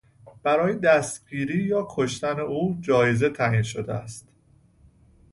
برای دستگیری یا کشتن او جایزه تعیین شده است.